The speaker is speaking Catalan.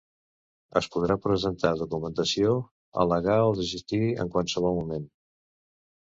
Es podrà presentar documentació, al·legar o desistir en qualsevol moment.